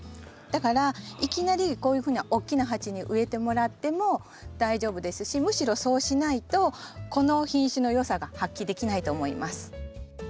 だからいきなりこういうふうな大きな鉢に植えてもらっても大丈夫ですしむしろそうしないとこの品種のよさが発揮できないと思います。